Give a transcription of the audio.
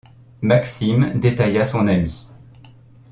Maxime détailla son ami.